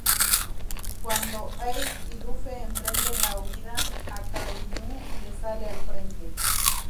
Cuando Ace y Luffy emprenden la huida, Akainu les sale al frente.